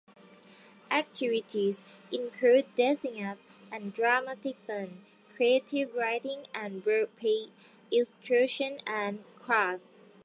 Activities include dressing-up and dramatic fun, creative writing and wordplay, illustration and craft.